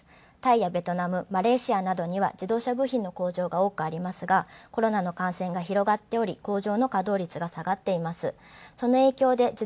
タイやベトナムには自動車部品の工場が多くありますがコロナの感染が広がっており、工場の稼働率が下がっています。